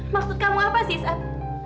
maksud kamu apa sih ustadz